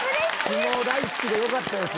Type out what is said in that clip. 相撲大好きでよかったです。